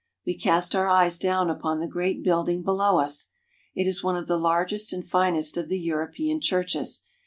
We cast our eyes down upon the great building below us. It is one of the largest and finest of the Euro pean churches.